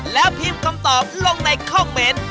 แล้วพิมพ์คำตอบลงในคอมเมนต์